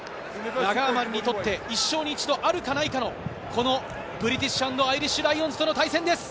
ラガーマンにとって一生に一度あるかないかの、このブリティッシュ＆アイリッシュ・ライオンズの対戦です。